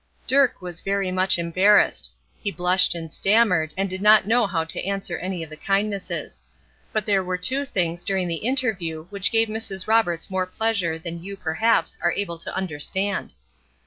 Dirk was very much embarrassed. He blushed and stammered, and did not know how to answer any of the kindnesses; but there were two things during the interview which gave Mrs. Roberts more pleasure than you, perhaps, are able to understand.